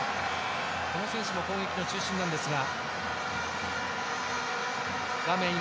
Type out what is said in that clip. この選手も攻撃の中心なんですが。